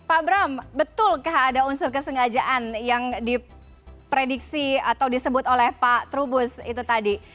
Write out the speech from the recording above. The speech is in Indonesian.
pak bram betulkah ada unsur kesengajaan yang diprediksi atau disebut oleh pak trubus itu tadi